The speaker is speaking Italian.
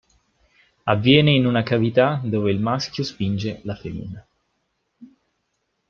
Avviene in una cavità dove il maschio spinge la femmina.